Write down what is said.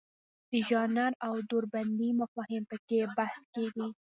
د ژانر او دوربندۍ مفاهیم پکې بحث کیږي.